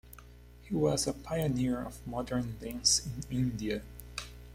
He was a pioneer of modern dance in India.